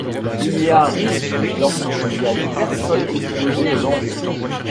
Il y a risque lorsqu’il y a des personnes exposées au danger.